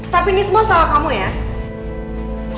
tapi ini semua sama kamu ya